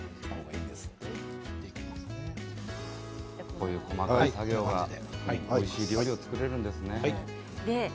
こういう細かい作業がおいしい料理を作るんですね。